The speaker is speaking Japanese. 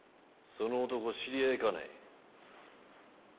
その男知り合いかね？